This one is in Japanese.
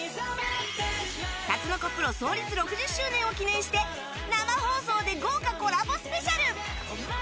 タツノコプロ創立６０周年を記念して生放送で豪華コラボスペシャル！